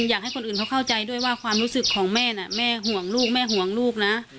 อยากให้คนอื่นเขาเข้าใจด้วยว่าความรู้สึกของแม่น่ะแม่ห่วงลูกแม่ห่วงลูกนะ